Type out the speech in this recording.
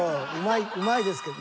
うまいですけど。